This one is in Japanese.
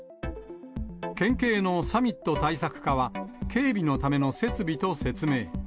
県警のサミット対策課は、警備のための設備と説明。